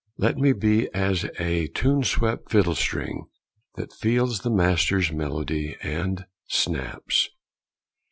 Let me be as a tuneswept fiddlestring That feels the Master Melody and snaps.